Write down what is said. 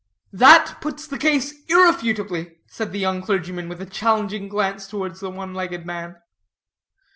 "That puts the case irrefutably," said the young clergyman, with a challenging glance towards the one legged man.